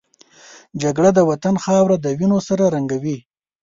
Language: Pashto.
جګړه د وطن خاوره د وینو سره رنګوي